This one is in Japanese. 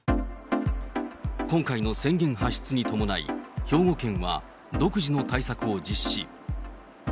今回の宣言発出に伴い、兵庫県は独自の対策を実施。